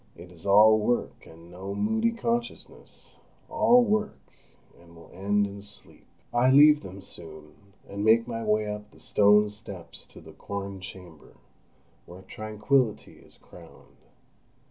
It is all work, and no moody consciousness—all work, and will end in sleep. I leave them soon, and make my way up the stone steps to the "corn chamber," where tranquillity is crowned.